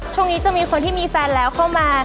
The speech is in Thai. ช่วงนี้จะมีคนที่มีแฟนแล้วเข้ามา